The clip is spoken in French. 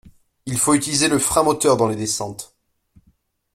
Il faut utiliser le frein moteur dans les descentes.